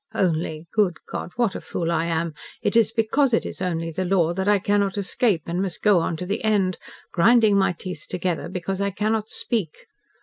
'Only!' Good God, what a fool I am! It is because it is only the Law that I cannot escape, and must go on to the end, grinding my teeth together because I cannot speak.